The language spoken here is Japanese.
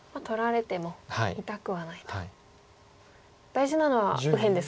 大事なのは右辺ですか。